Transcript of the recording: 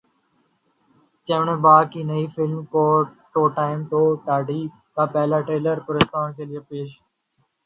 James Bond کی نئی film no time to die کا پہلا ٹریلر پرستاروں کے لیے پیش